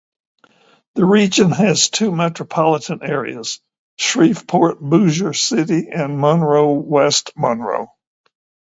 The region has two metropolitan areas: Shreveport-Bossier City and Monroe-West Monroe.